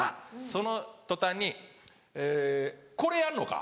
その途端に「えこれやんのか？」。